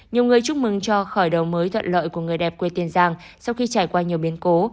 nhiều người chúc mừng cho khởi đầu mới thuận lợi của người đẹp quê tiền giang sau khi trải qua nhiều biến cố